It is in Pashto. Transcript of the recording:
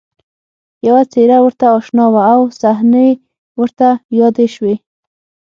یوه څېره ورته اشنا وه او صحنې ورته یادې شوې